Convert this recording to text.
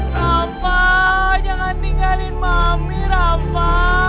rafa jangan tinggalin mami rafa